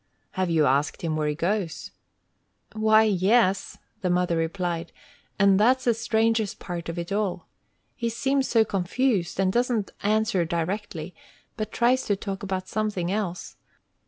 "Have you asked him where he goes?" "Why, yes," the mother replied; "and that's the strangest part of it all! He seems so confused, and doesn't answer directly, but tries to talk about something else.